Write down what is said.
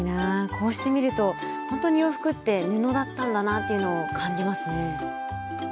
こうしてみるとほんとに洋服って布だったんだなっていうのを感じますね。